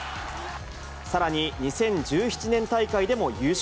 さらに２０１７年大会でも優勝。